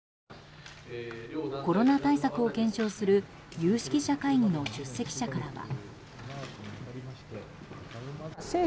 コロナ対策を検証する有識者会議の出席者からは。